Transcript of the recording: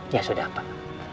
ya sudah pak